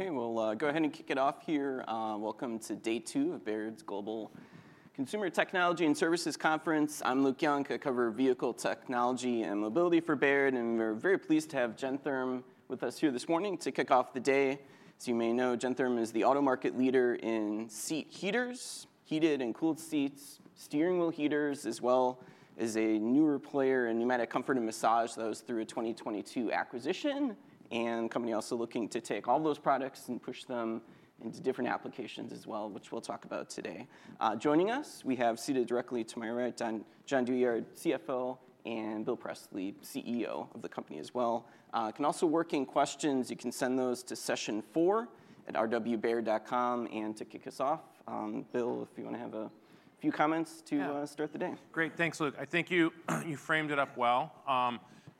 OK, we'll go ahead and kick it off here. Welcome to day two of Baird's Global Consumer Technology and Services Conference. I'm Luke Young. I cover vehicle technology and mobility for Baird. We're very pleased to have Gentherm with us here this morning to kick off the day. As you may know, Gentherm is the auto market leader in seat heaters, heated and cooled seats, steering wheel heaters, as well as a newer player in pneumatic comfort and massage. That was through a 2022 acquisition. The company is also looking to take all those products and push them into different applications as well, which we'll talk about today. Joining us, we have seated directly to my right, Jon Douyard, CFO, and Bill Presley, CEO of the company as well. Can also work in questions. You can send those to session4@rwbaird.com. To kick us off, Bill, if you want to have a few comments to start the day. Great. Thanks, Luke. I think you framed it up well.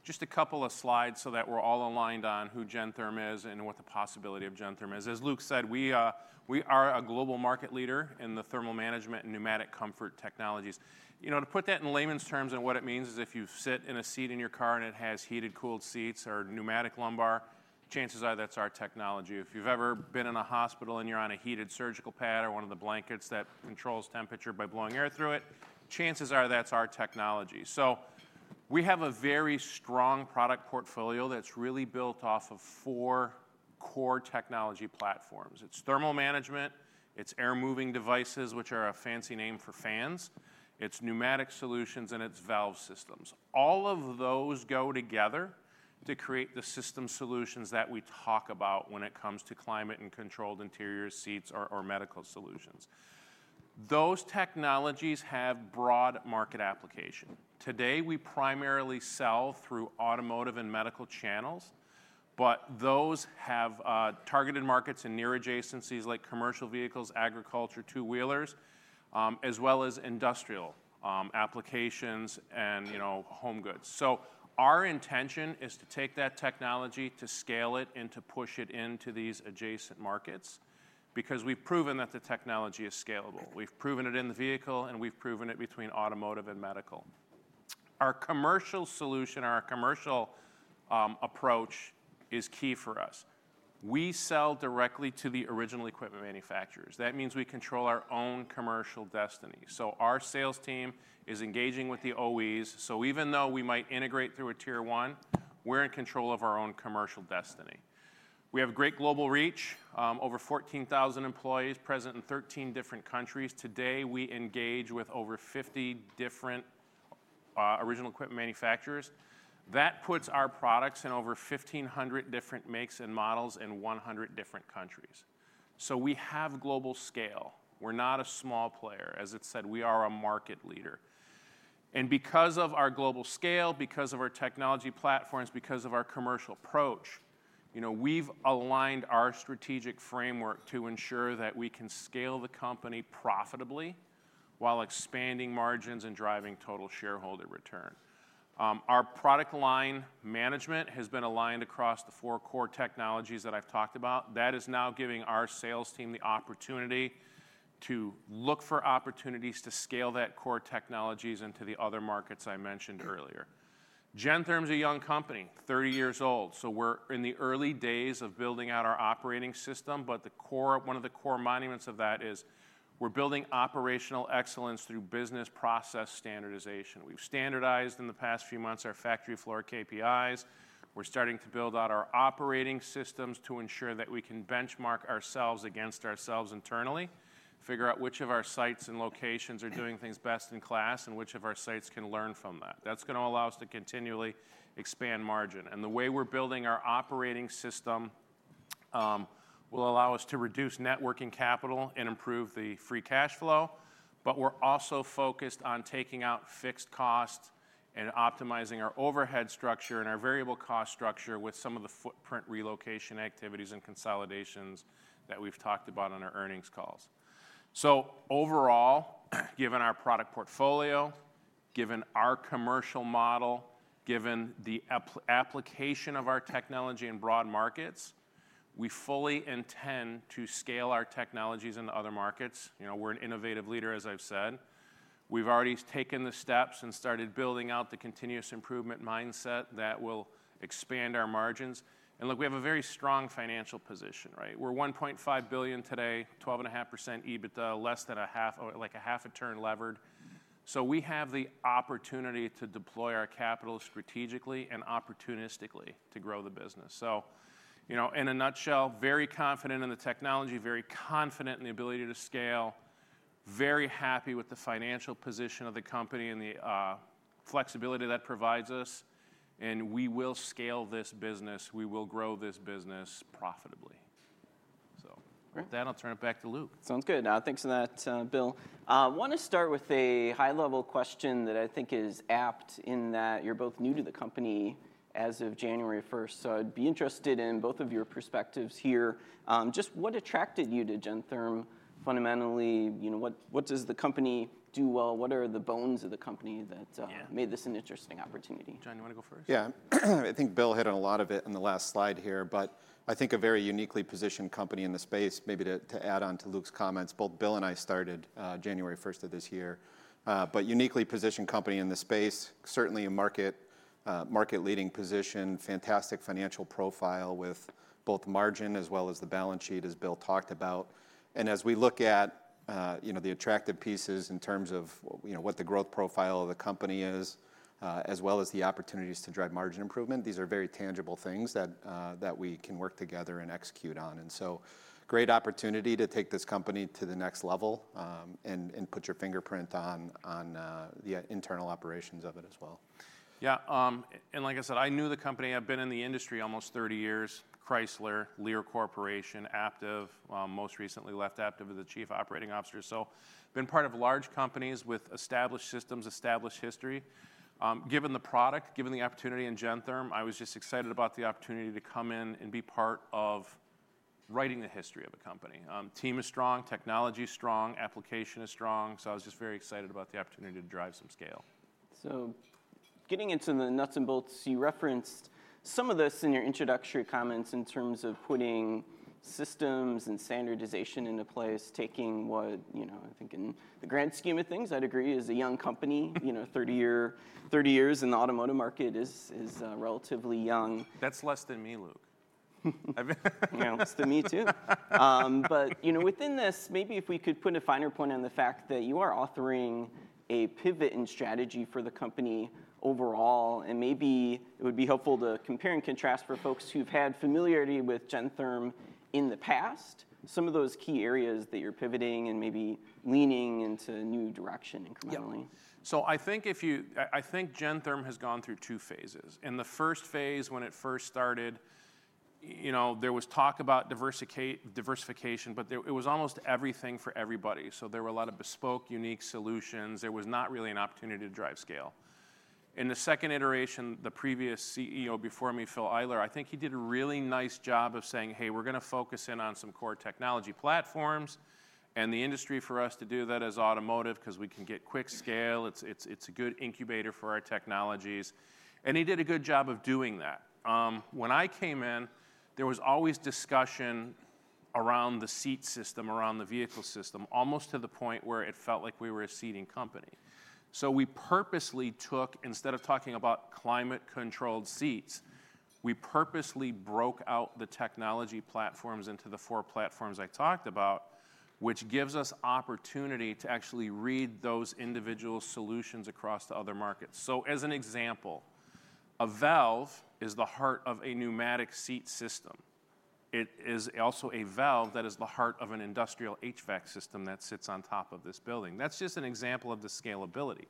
Just a couple of slides so that we're all aligned on who Gentherm is and what the possibility of Gentherm is. As Luke said, we are a global market leader in the thermal management and pneumatic comfort technologies. To put that in layman's terms and what it means is if you sit in a seat in your car and it has heated, cooled seats or pneumatic lumbar, chances are that's our technology. If you've ever been in a hospital and you're on a heated surgical pad or one of the blankets that controls temperature by blowing air through it, chances are that's our technology. We have a very strong product portfolio that's really built off of four core technology platforms. It's thermal management. It's air moving devices, which are a fancy name for fans. It's pneumatic solutions. It is valve systems. All of those go together to create the system solutions that we talk about when it comes to climate and controlled interior seats or medical solutions. Those technologies have broad market application. Today, we primarily sell through automotive and medical channels. Those have targeted markets in near adjacencies like commercial vehicles, agriculture, two-wheelers, as well as industrial applications and home goods. Our intention is to take that technology, to scale it, and to push it into these adjacent markets because we have proven that the technology is scalable. We have proven it in the vehicle. We have proven it between automotive and medical. Our commercial solution, our commercial approach is key for us. We sell directly to the original equipment manufacturers. That means we control our own commercial destiny. Our sales team is engaging with the OEs. Even though we might integrate through a tier one, we're in control of our own commercial destiny. We have great global reach, over 14,000 employees present in 13 different countries. Today, we engage with over 50 different original equipment manufacturers. That puts our products in over 1,500 different makes and models in 100 different countries. We have global scale. We're not a small player. As it's said, we are a market leader. Because of our global scale, because of our technology platforms, because of our commercial approach, we've aligned our strategic framework to ensure that we can scale the company profitably while expanding margins and driving total shareholder return. Our product line management has been aligned across the four core technologies that I've talked about. That is now giving our sales team the opportunity to look for opportunities to scale that core technologies into the other markets I mentioned earlier. Gentherm is a young company, 30 years old. We are in the early days of building out our operating system. One of the core monuments of that is we are building operational excellence through business process standardization. We have standardized in the past few months our factory floor KPIs. We are starting to build out our operating systems to ensure that we can benchmark ourselves against ourselves internally, figure out which of our sites and locations are doing things best in class, and which of our sites can learn from that. That is going to allow us to continually expand margin. The way we are building our operating system will allow us to reduce networking capital and improve the free cash flow. We're also focused on taking out fixed costs and optimizing our overhead structure and our variable cost structure with some of the footprint relocation activities and consolidations that we've talked about on our earnings calls. Overall, given our product portfolio, given our commercial model, given the application of our technology in broad markets, we fully intend to scale our technologies in other markets. We're an innovative leader, as I've said. We've already taken the steps and started building out the continuous improvement mindset that will expand our margins. Look, we have a very strong financial position. We're $1.5 billion today, 12.5% EBITDA, less than a half, like a half a turn levered. We have the opportunity to deploy our capital strategically and opportunistically to grow the business. In a nutshell, very confident in the technology, very confident in the ability to scale, very happy with the financial position of the company and the flexibility that provides us. We will scale this business. We will grow this business profitably. With that, I'll turn it back to Luke. Sounds good. Thanks for that, Bill. I want to start with a high-level question that I think is apt in that you're both new to the company as of January 1. I’d be interested in both of your perspectives here. Just what attracted you to Gentherm fundamentally? What does the company do well? What are the bones of the company that made this an interesting opportunity? Jon, do you want to go first? Yeah. I think Bill hit on a lot of it in the last slide here. I think a very uniquely positioned company in the space, maybe to add on to Luke's comments, both Bill and I started January 1st of this year. Uniquely positioned company in the space, certainly a market-leading position, fantastic financial profile with both margin as well as the balance sheet, as Bill talked about. As we look at the attractive pieces in terms of what the growth profile of the company is, as well as the opportunities to drive margin improvement, these are very tangible things that we can work together and execute on. Great opportunity to take this company to the next level and put your fingerprint on the internal operations of it as well. Yeah. Like I said, I knew the company. I've been in the industry almost 30 years, Chrysler, Lear Corporation, Aptiv, most recently left Aptiv as the Chief Operating Officer. I've been part of large companies with established systems, established history. Given the product, given the opportunity in Gentherm, I was just excited about the opportunity to come in and be part of writing the history of a company. Team is strong, technology is strong, application is strong. I was just very excited about the opportunity to drive some scale. Getting into the nuts and bolts, you referenced some of this in your introductory comments in terms of putting systems and standardization into place, taking what I think in the grand scheme of things, I'd agree, is a young company. Thirty years in the automotive market is relatively young. That's less than me, Luke. Yeah, less than me too. Within this, maybe if we could put a finer point on the fact that you are offering a pivot in strategy for the company overall. Maybe it would be helpful to compare and contrast for folks who've had familiarity with Gentherm in the past some of those key areas that you're pivoting and maybe leaning into a new direction incrementally. Yeah. I think Gentherm has gone through two phases. In the first phase, when it first started, there was talk about diversification. It was almost everything for everybody. There were a lot of bespoke, unique solutions. There was not really an opportunity to drive scale. In the second iteration, the previous CEO before me, Phil Eyler, I think he did a really nice job of saying, hey, we're going to focus in on some core technology platforms. The industry for us to do that is automotive because we can get quick scale. It's a good incubator for our technologies. He did a good job of doing that. When I came in, there was always discussion around the seat system, around the vehicle system, almost to the point where it felt like we were a seating company. We purposely took, instead of talking about climate-controlled seats, we purposely broke out the technology platforms into the four platforms I talked about, which gives us opportunity to actually read those individual solutions across to other markets. As an example, a valve is the heart of a pneumatic seat system. It is also a valve that is the heart of an industrial HVAC system that sits on top of this building. That is just an example of the scalability.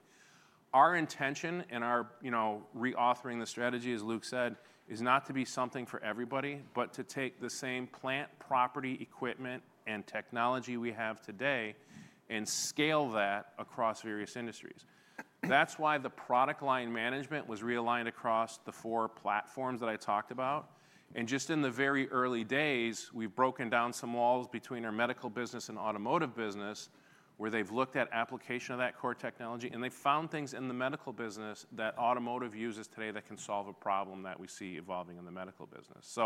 Our intention in reauthoring the strategy, as Luke said, is not to be something for everybody, but to take the same plant, property, equipment, and technology we have today and scale that across various industries. That is why the product line management was realigned across the four platforms that I talked about. In just the very early days, we've broken down some walls between our medical business and automotive business, where they've looked at application of that core technology. They found things in the medical business that automotive uses today that can solve a problem that we see evolving in the medical business.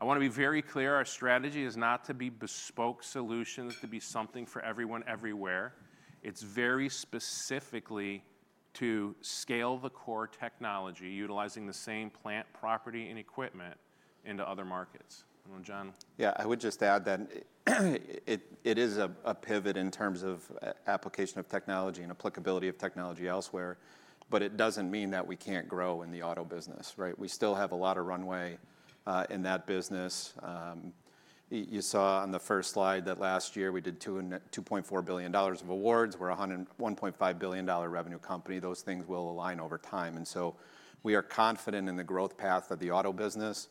I want to be very clear. Our strategy is not to be bespoke solutions, to be something for everyone everywhere. It is very specifically to scale the core technology, utilizing the same plant, property, and equipment into other markets. Jon. Yeah, I would just add that it is a pivot in terms of application of technology and applicability of technology elsewhere. It does not mean that we cannot grow in the auto business. We still have a lot of runway in that business. You saw on the first slide that last year we did $2.4 billion of awards. We are a $1.5 billion revenue company. Those things will align over time. We are confident in the growth path of the auto business.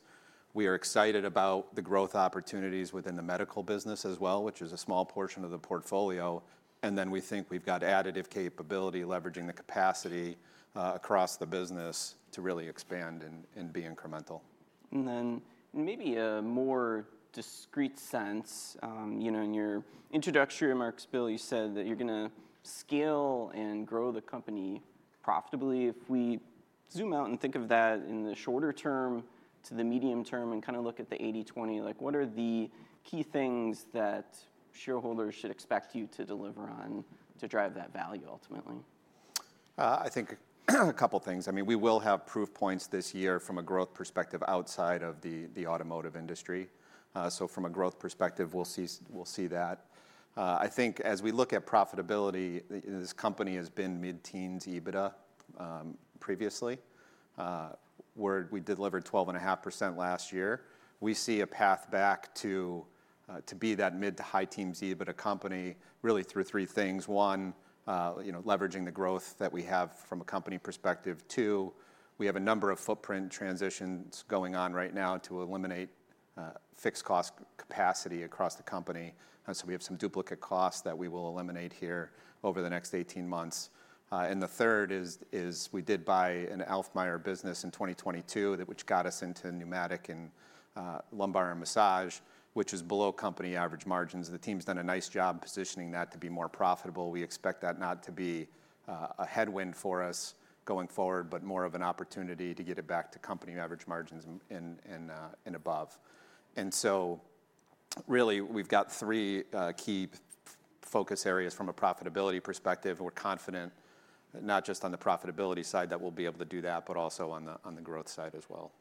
We are excited about the growth opportunities within the medical business as well, which is a small portion of the portfolio. We think we have got additive capability, leveraging the capacity across the business to really expand and be incremental. In maybe a more discreet sense, in your introductory remarks, Bill, you said that you're going to scale and grow the company profitably. If we zoom out and think of that in the shorter term to the medium term and kind of look at the 80/20, what are the key things that shareholders should expect you to deliver on to drive that value ultimately? I think a couple of things. I mean, we will have proof points this year from a growth perspective outside of the automotive industry. From a growth perspective, we'll see that. I think as we look at profitability, this company has been mid-teens EBITDA previously, where we delivered 12.5% last year. We see a path back to be that mid to high teens EBITDA company really through three things. One, leveraging the growth that we have from a company perspective. Two, we have a number of footprint transitions going on right now to eliminate fixed cost capacity across the company. We have some duplicate costs that we will eliminate here over the next 18 months. The third is we did buy an I.G. Bauerhin business in 2022, which got us into pneumatic and lumbar massage, which is below company average margins. The team's done a nice job positioning that to be more profitable. We expect that not to be a headwind for us going forward, but more of an opportunity to get it back to company average margins and above. We have three key focus areas from a profitability perspective. We are confident not just on the profitability side that we'll be able to do that, but also on the growth side as well.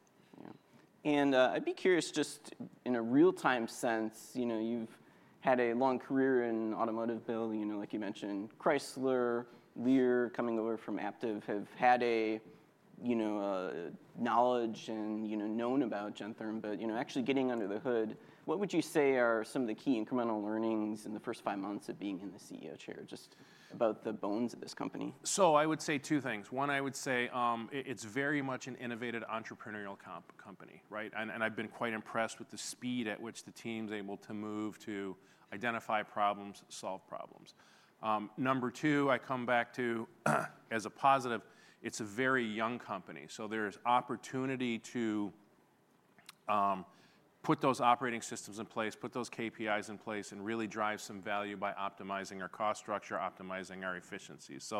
Yeah. I'd be curious, just in a real-time sense, you've had a long career in automotive, Bill, like you mentioned. Chrysler, Lear, coming over from Aptiv, have had knowledge and known about Gentherm. But actually getting under the hood, what would you say are some of the key incremental learnings in the first five months of being in the CEO chair, just about the bones of this company? I would say two things. One, I would say it's very much an innovative entrepreneurial company. I've been quite impressed with the speed at which the team's able to move to identify problems, solve problems. Number two, I come back to as a positive, it's a very young company. There's opportunity to put those operating systems in place, put those KPIs in place, and really drive some value by optimizing our cost structure, optimizing our efficiencies.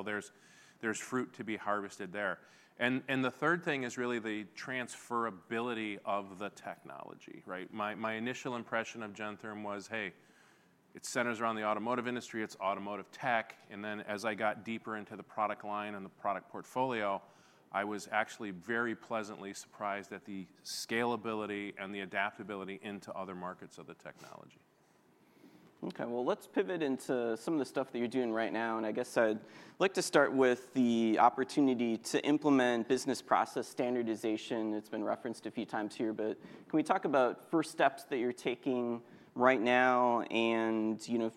There's fruit to be harvested there. The third thing is really the transferability of the technology. My initial impression of Gentherm was, hey, it centers around the automotive industry. It's automotive tech. As I got deeper into the product line and the product portfolio, I was actually very pleasantly surprised at the scalability and the adaptability into other markets of the technology. OK. Let's pivot into some of the stuff that you're doing right now. I guess I'd like to start with the opportunity to implement business process standardization. It's been referenced a few times here. Can we talk about first steps that you're taking right now?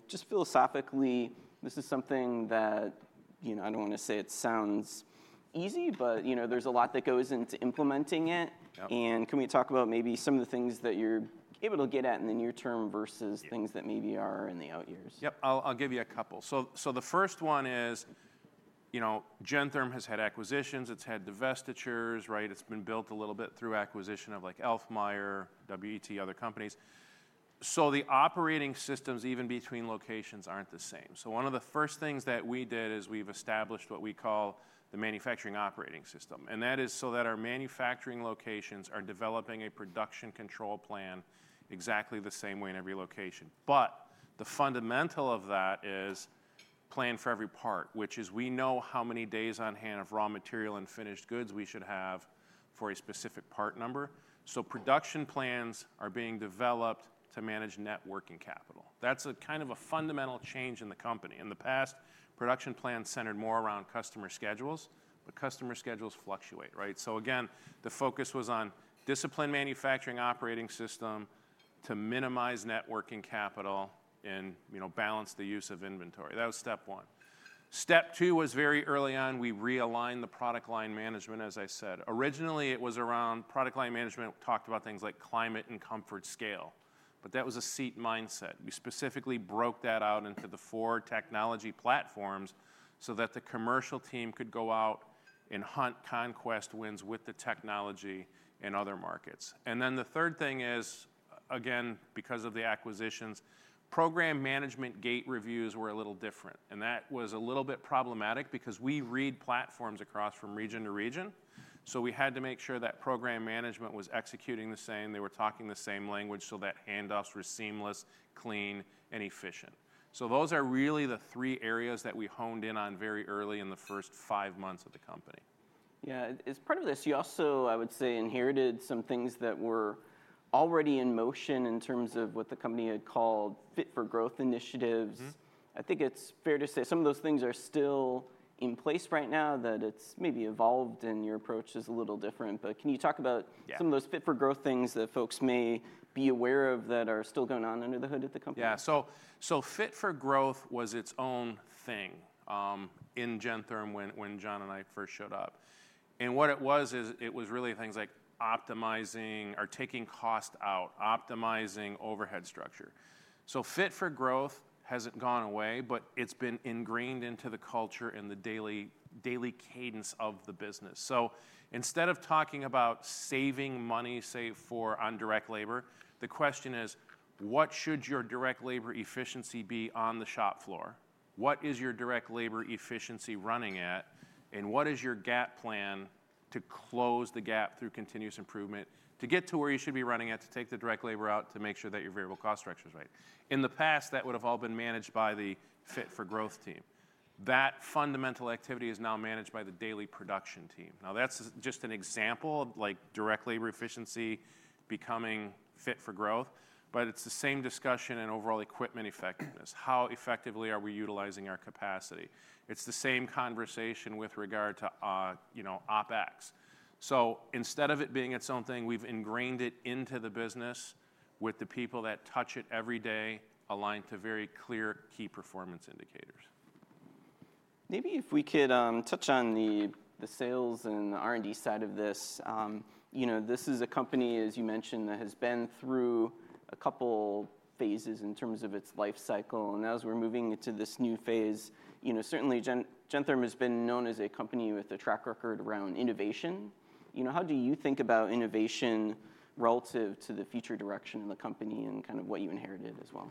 Just philosophically, this is something that I don't want to say it sounds easy, but there's a lot that goes into implementing it. Can we talk about maybe some of the things that you're able to get at in the near term versus things that maybe are in the out years? Yep. I'll give you a couple. The first one is Gentherm has had acquisitions. It's had divestitures. It's been built a little bit through acquisition of Alchmeyer, WET, other companies. The operating systems, even between locations, aren't the same. One of the first things that we did is we've established what we call the manufacturing operating system. That is so that our manufacturing locations are developing a production control plan exactly the same way in every location. The fundamental of that is plan for every part, which is we know how many days on hand of raw material and finished goods we should have for a specific part number. Production plans are being developed to manage networking capital. That's a kind of a fundamental change in the company. In the past, production plans centered more around customer schedules. Customer schedules fluctuate. Again, the focus was on discipline manufacturing operating system to minimize networking capital and balance the use of inventory. That was step one. Step two was very early on, we realigned the product line management, as I said. Originally, it was around product line management. We talked about things like climate and comfort scale. That was a seat mindset. We specifically broke that out into the four technology platforms so that the commercial team could go out and hunt conquest wins with the technology in other markets. The third thing is, again, because of the acquisitions, program management gate reviews were a little different. That was a little bit problematic because we read platforms across from region to region. We had to make sure that program management was executing the same. They were talking the same language so that handoffs were seamless, clean, and efficient. Those are really the three areas that we honed in on very early in the first five months of the company. Yeah. As part of this, you also, I would say, inherited some things that were already in motion in terms of what the company had called fit-for-growth initiatives. I think it's fair to say some of those things are still in place right now, that it's maybe evolved and your approach is a little different. Can you talk about some of those fit-for-growth things that folks may be aware of that are still going on under the hood at the company? Yeah. Fit-for-growth was its own thing in Gentherm when Jon and I first showed up. What it was is it was really things like optimizing or taking cost out, optimizing overhead structure. Fit-for-growth has not gone away, but it has been ingrained into the culture and the daily cadence of the business. Instead of talking about saving money, say, for undirect labor, the question is, what should your direct labor efficiency be on the shop floor? What is your direct labor efficiency running at? What is your gap plan to close the gap through continuous improvement to get to where you should be running at to take the direct labor out to make sure that your variable cost structure is right? In the past, that would have all been managed by the fit-for-growth team. That fundamental activity is now managed by the daily production team. Now, that's just an example of direct labor efficiency becoming fit-for-growth. It is the same discussion in overall equipment effectiveness. How effectively are we utilizing our capacity? It is the same conversation with regard to OPEX. Instead of it being its own thing, we've ingrained it into the business with the people that touch it every day, aligned to very clear key performance indicators. Maybe if we could touch on the sales and R&D side of this. This is a company, as you mentioned, that has been through a couple phases in terms of its life cycle. As we're moving into this new phase, certainly Gentherm has been known as a company with a track record around innovation. How do you think about innovation relative to the future direction in the company and kind of what you inherited as well?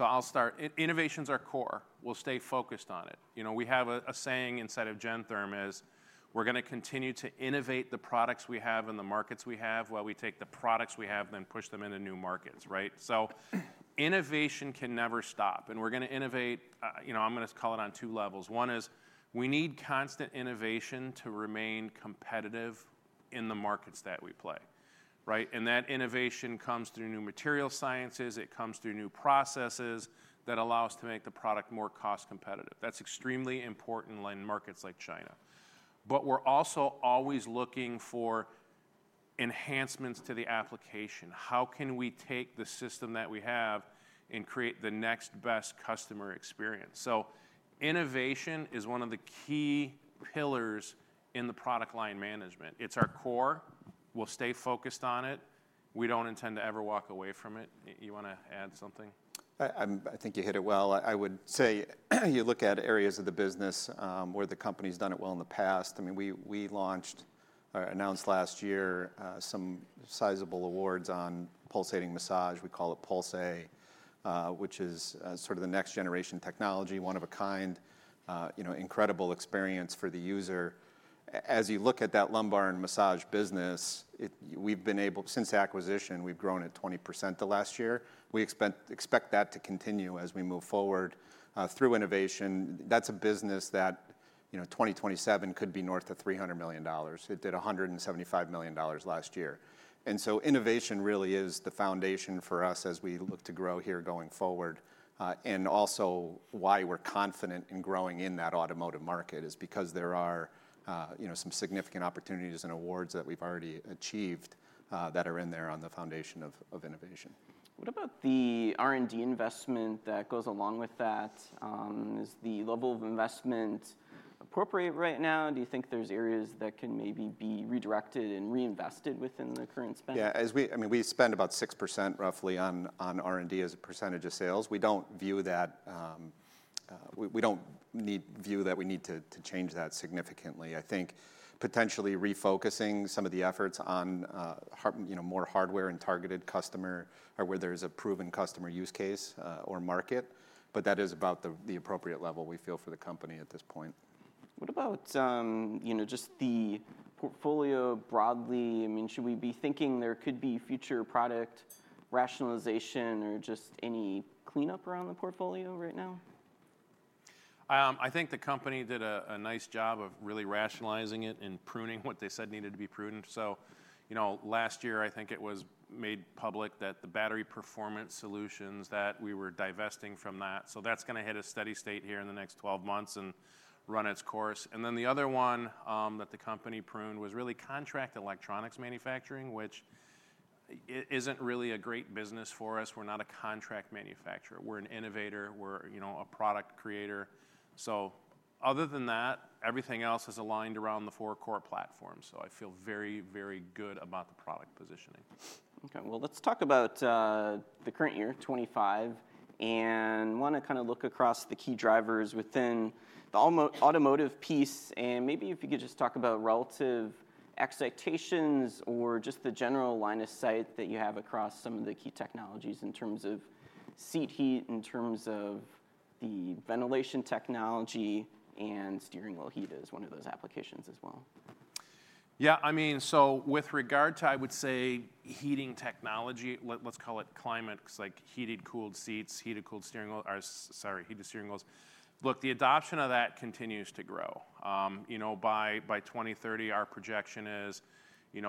I'll start. Innovation is our core. We'll stay focused on it. We have a saying inside of Gentherm is we're going to continue to innovate the products we have and the markets we have while we take the products we have and then push them into new markets. Innovation can never stop. We're going to innovate. I'm going to call it on two levels. One is we need constant innovation to remain competitive in the markets that we play. That innovation comes through new material sciences. It comes through new processes that allow us to make the product more cost competitive. That's extremely important in markets like China. We're also always looking for enhancements to the application. How can we take the system that we have and create the next best customer experience? Innovation is one of the key pillars in the product line management. It's our core. We'll stay focused on it. We don't intend to ever walk away from it. You want to add something? I think you hit it well. I would say you look at areas of the business where the company's done it well in the past. I mean, we launched or announced last year some sizable awards on pulsating massage. We call it Pulsea, which is sort of the next generation technology, one of a kind, incredible experience for the user. As you look at that lumbar and massage business, we've been able since acquisition, we've grown at 20% the last year. We expect that to continue as we move forward through innovation. That's a business that 2027 could be north of $300 million. It did $175 million last year. And so innovation really is the foundation for us as we look to grow here going forward. We're confident in growing in that automotive market because there are some significant opportunities and awards that we've already achieved that are in there on the foundation of innovation. What about the R&D investment that goes along with that? Is the level of investment appropriate right now? Do you think there's areas that can maybe be redirected and reinvested within the current spend? Yeah. I mean, we spend about 6% roughly on R&D as a percentage of sales. We don't view that we need to change that significantly. I think potentially refocusing some of the efforts on more hardware and targeted customer or where there is a proven customer use case or market. That is about the appropriate level we feel for the company at this point. What about just the portfolio broadly? I mean, should we be thinking there could be future product rationalization or just any cleanup around the portfolio right now? I think the company did a nice job of really rationalizing it and pruning what they said needed to be pruned. Last year, I think it was made public that the battery performance solutions that we were divesting from that. That is going to hit a steady state here in the next 12 months and run its course. The other one that the company pruned was really contract electronics manufacturing, which is not really a great business for us. We are not a contract manufacturer. We are an innovator. We are a product creator. Other than that, everything else has aligned around the four core platforms. I feel very, very good about the product positioning. OK. Let's talk about the current year, 2025. I want to kind of look across the key drivers within the automotive piece. Maybe if you could just talk about relative expectations or just the general line of sight that you have across some of the key technologies in terms of seat heat, in terms of the ventilation technology, and steering wheel heat as one of those applications as well. Yeah. I mean, so with regard to, I would say, heating technology, let's call it climate, because heated cooled seats, heated cooled steering wheels, sorry, heated steering wheels. Look, the adoption of that continues to grow. By 2030, our projection is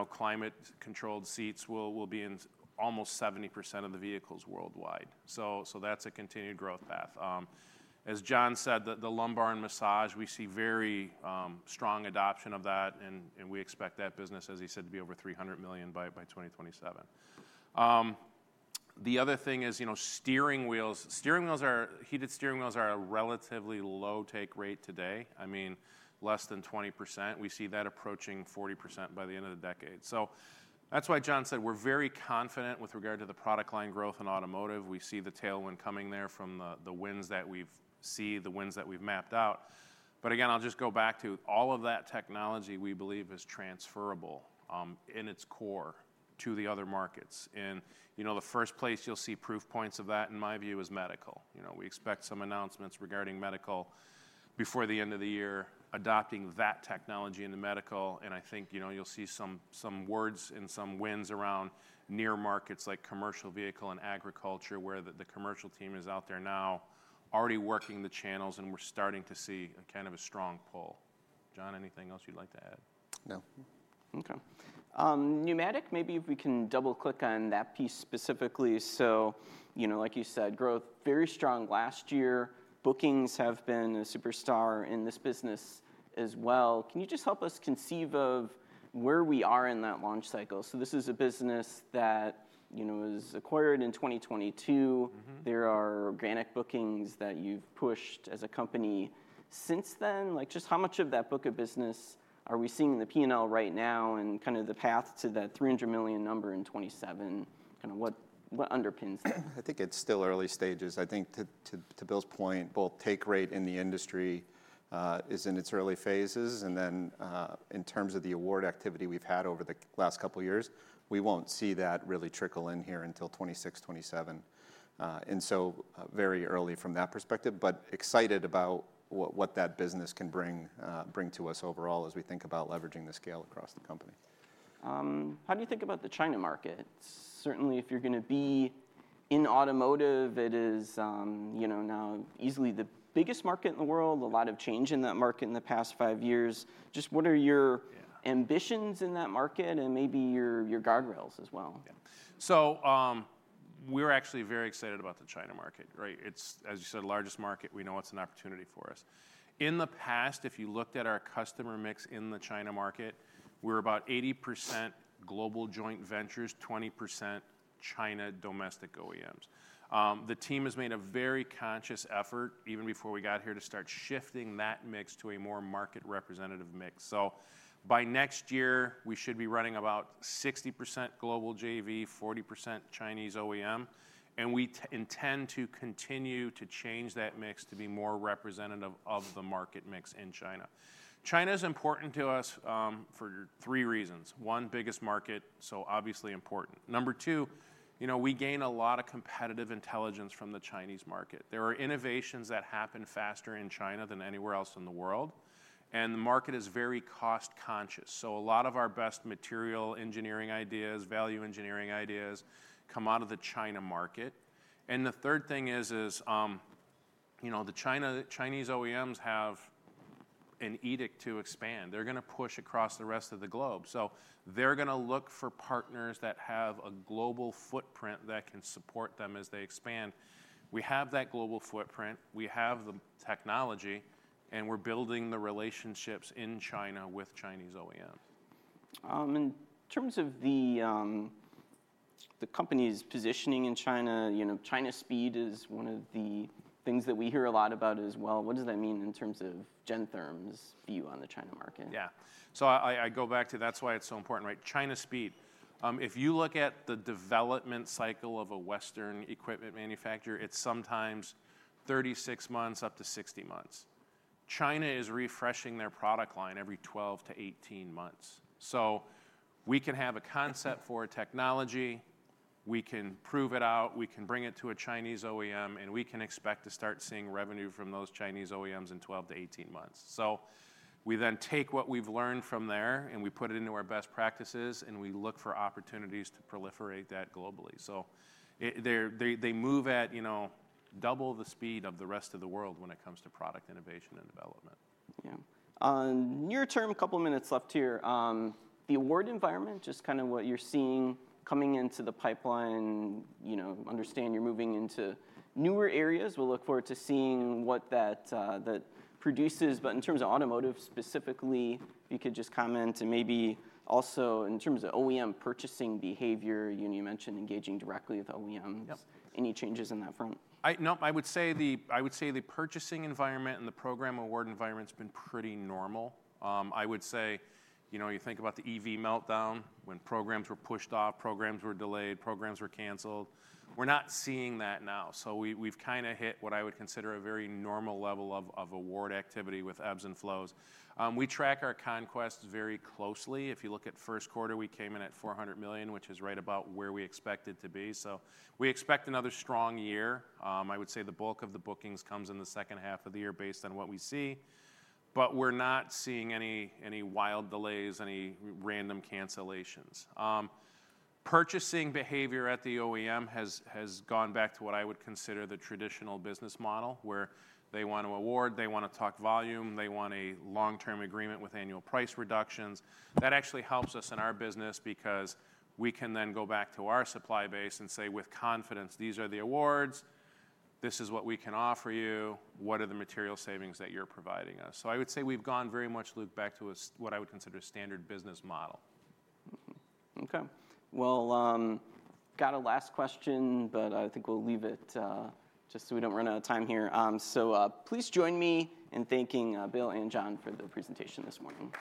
climate-controlled seats will be in almost 70% of the vehicles worldwide. That is a continued growth path. As Jon said, the lumbar and massage, we see very strong adoption of that. We expect that business, as he said, to be over $300 million by 2027. The other thing is steering wheels. Heated steering wheels are a relatively low take rate today, I mean, less than 20%. We see that approaching 40% by the end of the decade. That is why Jon said we are very confident with regard to the product line growth in automotive. We see the tailwind coming there from the winds that we see, the winds that we've mapped out. I will just go back to all of that technology we believe is transferable in its core to the other markets. The first place you'll see proof points of that, in my view, is medical. We expect some announcements regarding medical before the end of the year, adopting that technology into medical. I think you'll see some words and some winds around near markets like commercial vehicle and agriculture, where the commercial team is out there now already working the channels. We're starting to see kind of a strong pull. Jon, anything else you'd like to add? No. OK. Pneumatic, maybe if we can double-click on that piece specifically. So like you said, growth very strong last year. Bookings have been a superstar in this business as well. Can you just help us conceive of where we are in that launch cycle? So this is a business that was acquired in 2022. There are organic bookings that you've pushed as a company since then. Just how much of that book of business are we seeing in the P&L right now and kind of the path to that $300 million number in 2027? Kind of what underpins that? I think it's still early stages. I think to Bill's point, both take rate in the industry is in its early phases. In terms of the award activity we've had over the last couple of years, we won't see that really trickle in here until 2026, 2027. Very early from that perspective, but excited about what that business can bring to us overall as we think about leveraging the scale across the company. How do you think about the China market? Certainly, if you're going to be in automotive, it is now easily the biggest market in the world. A lot of change in that market in the past five years. Just what are your ambitions in that market and maybe your guardrails as well? We're actually very excited about the China market. It's, as you said, the largest market. We know it's an opportunity for us. In the past, if you looked at our customer mix in the China market, we're about 80% global joint ventures, 20% China domestic OEMs. The team has made a very conscious effort, even before we got here, to start shifting that mix to a more market representative mix. By next year, we should be running about 60% global JV, 40% Chinese OEM. We intend to continue to change that mix to be more representative of the market mix in China. China is important to us for three reasons. One, biggest market, so obviously important. Number two, we gain a lot of competitive intelligence from the Chinese market. There are innovations that happen faster in China than anywhere else in the world. The market is very cost conscious. A lot of our best material engineering ideas, value engineering ideas, come out of the China market. The third thing is the Chinese OEMs have an edict to expand. They're going to push across the rest of the globe. They're going to look for partners that have a global footprint that can support them as they expand. We have that global footprint. We have the technology. We're building the relationships in China with Chinese OEMs. In terms of the company's positioning in China, China speed is one of the things that we hear a lot about as well. What does that mean in terms of Gentherm's view on the China market? Yeah. So I go back to that's why it's so important. China speed. If you look at the development cycle of a Western equipment manufacturer, it's sometimes 36 months up to 60 months. China is refreshing their product line every 12 to 18 months. We can have a concept for a technology. We can prove it out. We can bring it to a Chinese OEM. We can expect to start seeing revenue from those Chinese OEMs in 12-18 months. We then take what we've learned from there, and we put it into our best practices. We look for opportunities to proliferate that globally. They move at double the speed of the rest of the world when it comes to product innovation and development. Yeah. Near term, a couple of minutes left here. The award environment, just kind of what you're seeing coming into the pipeline. Understand you're moving into newer areas. We'll look forward to seeing what that produces. In terms of automotive specifically, if you could just comment. Maybe also in terms of OEM purchasing behavior. You mentioned engaging directly with OEMs. Any changes in that front? No. I would say the purchasing environment and the program award environment has been pretty normal. I would say you think about the EV meltdown when programs were pushed off, programs were delayed, programs were canceled. We're not seeing that now. We have kind of hit what I would consider a very normal level of award activity with ebbs and flows. We track our conquests very closely. If you look at first quarter, we came in at $400 million, which is right about where we expect it to be. We expect another strong year. I would say the bulk of the bookings comes in the second half of the year based on what we see. We're not seeing any wild delays, any random cancellations. Purchasing behavior at the OEM has gone back to what I would consider the traditional business model, where they want to award. They want to talk volume. They want a long-term agreement with annual price reductions. That actually helps us in our business because we can then go back to our supply base and say with confidence, these are the awards. This is what we can offer you. What are the material savings that you're providing us? I would say we've gone very much, Luke, back to what I would consider a standard business model. OK. Got a last question, but I think we'll leave it just so we don't run out of time here. Please join me in thanking Bill and Jon for the presentation this morning.